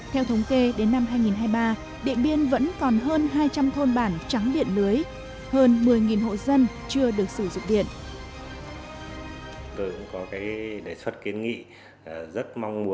theo thống kê đến năm hai nghìn hai mươi ba điện biên vẫn còn hơn hai trăm linh thôn bản trắng điện lưới hơn một mươi hộ dân chưa được sử dụng điện